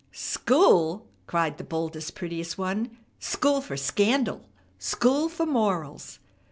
"School!" cried the boldest, prettiest one. "School for scandal! School for morals!"